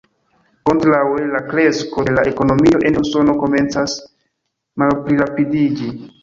Kontraŭe la kresko de la ekonomio en Usono komencas malplirapidiĝi.